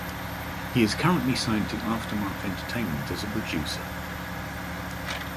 He is currently signed to Aftermath Entertainment as a producer.